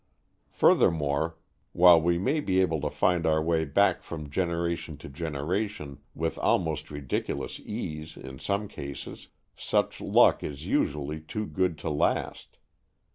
Furthermore, while we may be able to find our way back from generation to generation with almost ridiculous ease in some cases, such luck is usually too good to last.